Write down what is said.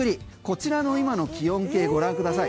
こちらの今の気温計ご覧ください。